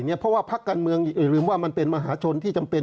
เพราะว่าพักการเมืองอย่าลืมว่ามันเป็นมหาชนที่จำเป็น